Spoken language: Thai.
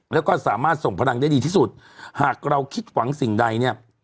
แล้วก็สามารถส่งพลังได้ดีที่สุดหากเราคิดหวังสิ่งใดเนี่ย